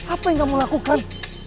apa yang kamu lakukan